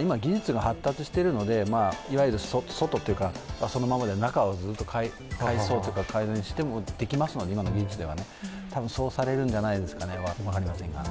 今、技術が発達しているので、いわゆる外はそのままで中を改装・改善してもできますので、多分、そうされるんじゃないですかね、分かりませんが。